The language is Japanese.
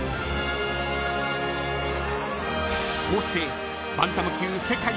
［こうして］